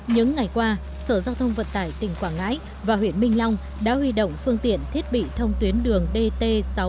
những ngày qua sở giao thông vận tải tỉnh quảng ngãi và huyện minh long đã huy động phương tiện thiết bị thông tuyến đường dt sáu trăm sáu mươi